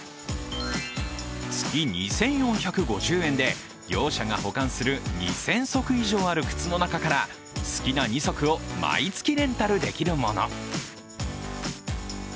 月２４５０円で業者が保管する２０００足以上ある靴の中から好きな２足を毎月レンタルできるもの。